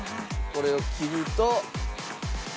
これを切ると。